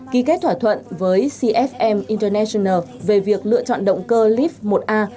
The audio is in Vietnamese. ký kết thỏa thuận với cfm international về việc lựa chọn động cơ leaf một a